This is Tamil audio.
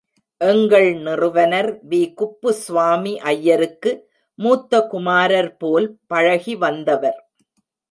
எங்கள் நிறுவனர் வி.குப்புஸ்வாமி ஐயருக்கு, மூத்த குமாரர் போல் பழகி வந்தவர்.